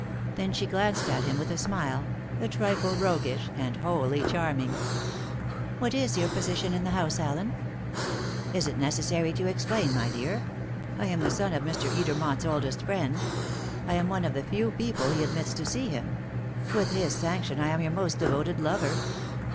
Then she glanced at him with a smile a trifle roguish, and wholly charming. "What is your position in the house, Allen?" "Is it necessary to explain, my dear? I am the son of Mr. Edermont's oldest friend. I am one of the few people he admits to see him. With his sanction, I am your most devoted lover.